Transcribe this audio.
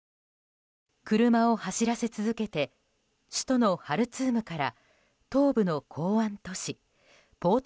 車を走らせ続けて首都のハルツームから東部の港湾都市ポート